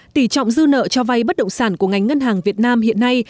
tỷ trọng dư nợ cho vay bất động sản của ngành ngân hàng việt nam hiện nay